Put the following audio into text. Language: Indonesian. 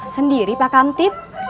sendiri pak kamtip